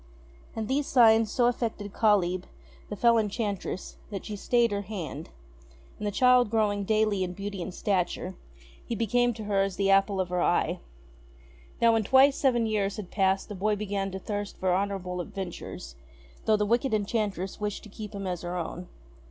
And these signs so affected Kalyb, the fell enchantress, that she stayed her hand ; and the child growing daily in beauty and stature, he became to her as the apple of her eye. Now, when twice seven years had passed the boy began to thirst for honourable adventures, though the wicked enchant ress wished to keep him as her own.